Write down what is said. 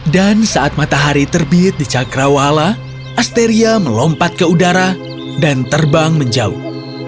dan saat matahari terbit di cakrawala asteria melompat ke udara dan terbang menjauh